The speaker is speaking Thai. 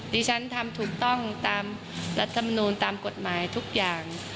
ดิฉันทำถูกต้องตามรัฐมนูลตามกฎหมายทุกอย่าง